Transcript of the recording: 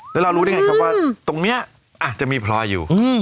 แล้วเรารู้ได้ไงครับว่าตรงนี้อาจจะมีพลอยอยู่